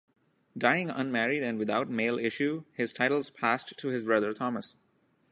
Dying unmarried and without male issue, his titles passed to his brother, Thomas.